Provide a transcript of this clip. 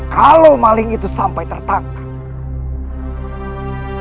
kalau maling itu sampai tertangkap